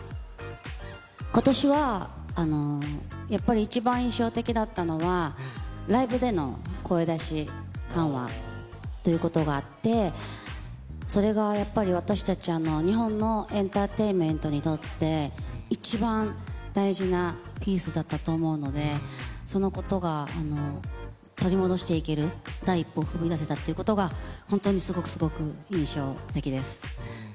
ことしは、やっぱり一番印象的だったのは、ライブでの声出し緩和ということがあって、それがやっぱり私たち、日本のエンターテインメントにとって、一番大事なピースだったと思うので、そのことが取り戻していける第一歩を踏み出せたっていうことが、本当にすごくすごく印象的です。